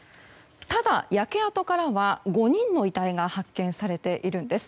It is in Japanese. ただ、焼け跡からは５人の遺体が発見されているんです。